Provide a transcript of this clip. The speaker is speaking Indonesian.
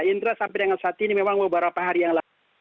dan saya sampai dengan saat ini memang beberapa hari yang lalu